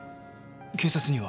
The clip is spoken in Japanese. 警察には？